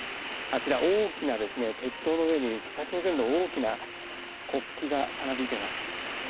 あちら、大きな鉄塔の上に、北朝鮮の大きな国旗がたなびいています。